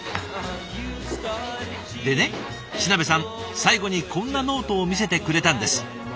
でね品部さん最後にこんなノートを見せてくれたんです。